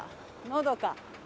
のどか。